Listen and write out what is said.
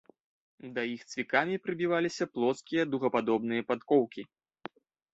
Да іх цвікамі прыбіваліся плоскія дугападобныя падкоўкі.